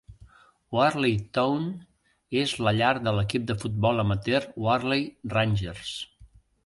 Warley Town és la llar de l'equip de futbol amateur Warley Rangers.